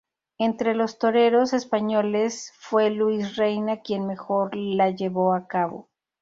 Entre los toreros españoles fue Luis Reina quien mejor la llevó a cabo.